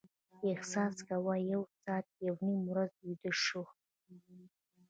احساس کاوه یو ساعت یا نیمه ورځ ویده شوي.